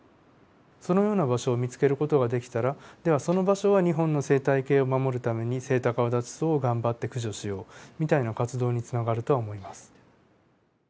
そのような場所を見つける事ができたらではその場所は日本の生態系を守るためにセイタカアワダチソウを頑張って駆除しようみたいな活動につながるとは思います。